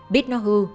biết nó hư